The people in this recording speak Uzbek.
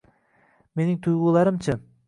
Mening tuyg`ularim-chi